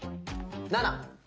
７！